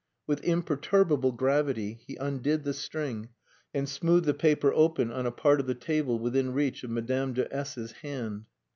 With imperturbable gravity he undid the string and smoothed the paper open on a part of the table within reach of Madame de S 's hand.